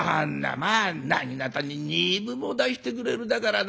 まあなぎなたに２分も出してくれるだからな。